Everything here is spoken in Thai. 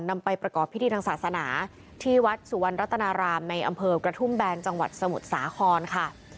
นำไปประกอบพิธีทางศาสนาที่วัดสุวรรณรัตนารามในอำเภอกระทุ่มแบนจังหวัดสมุทรสาครค่ะ